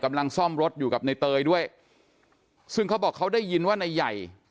กำลังซ่อมรถอยู่กับในเตยด้วยซึ่งเขาบอกเขาได้ยินว่านายใหญ่